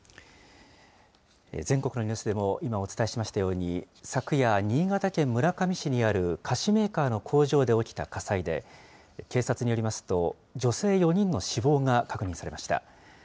全国のニュースでも今、お伝えしましたように、昨夜、新潟県村上市にある、菓子メーカーの工場で起きた火災で、警察によりますと、女性４人の死亡が確認されました。